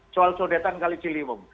soal saudetan kalijiliwom